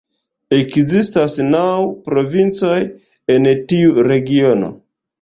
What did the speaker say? Ekzistas naŭ provincoj en tiu regiono.